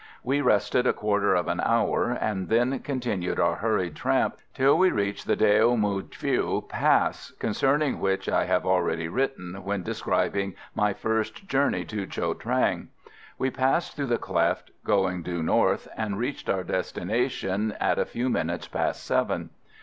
We rested a quarter of an hour, and then continued our hurried tramp till we reached the Deo Mou Phieu pass, concerning which I have already written when describing my first journey to Cho Trang. We passed through the cleft, going due north, and reached our destination at a few minutes past seven.